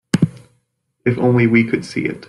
If only we could see it.